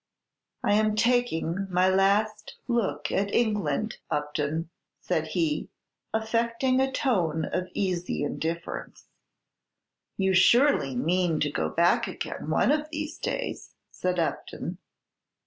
"I am taking my last look at England, Upton," said he, affecting a tone of easy indifference. "You surely mean to go back again one of these days?" said Upton.